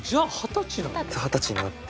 二十歳になって。